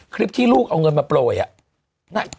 คลิปที่ลูกเอาเงินมาโปรย